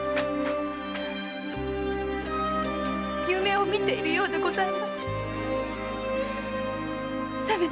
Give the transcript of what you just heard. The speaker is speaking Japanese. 夢を見ているようでございます。